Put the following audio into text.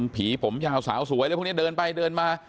ผีผมยาวสาวสวยอะไรพวกนี้เดินไปเดินมา